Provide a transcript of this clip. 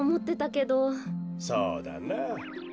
そうだなあ。